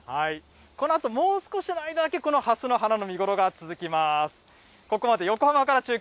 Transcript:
このあと、もう少しの間だけ、このはすの花の見頃が続きます。